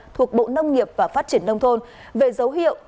thuộc bộ nông nghiệp và phát triển nông thôn về dấu hiệu